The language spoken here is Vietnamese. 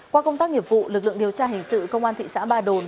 qua công tác nghiệp vụ lực lượng điều tra hình sự công an thị xã ba đồn